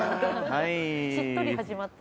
「しっとり始まった」